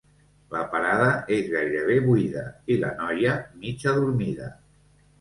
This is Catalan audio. La parada és gairebé buida i la noia mig adormida.